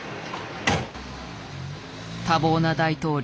多忙な大統領。